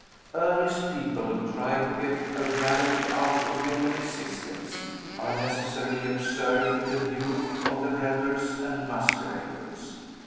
Earnest people, who try to get a reality out of human existence, are necessarily absurd in the view of the revellers and masqueraders.